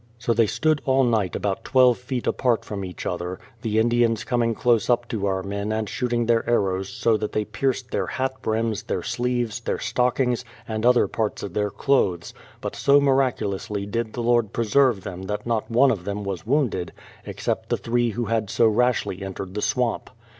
So they stood all night about twelve feet apart from each other, the Indians coming close up to our men and shooting their arrows so that they pierced their hatbrims, their sleeves, their stockings, and other parts of their clothes; but so miraculously did the Lord preserve them that not one of them was wounded except the three who had so rashly entered the swamp.